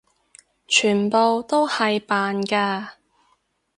全部都係扮㗎！